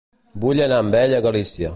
Vull anar amb ell a Galícia.